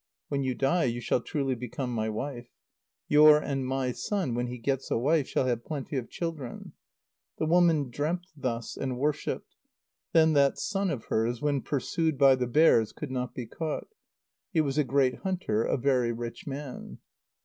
When you die, you shall truly become my wife. Your and my son, when he gets a wife, shall have plenty of children." The woman dreamt thus, and worshipped. Then that son of hers, when pursued by the bears, could not be caught. He was a great hunter, a very rich man.